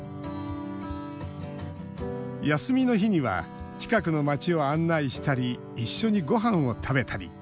休みの日には近くの街を案内したり一緒にごはんを食べたり。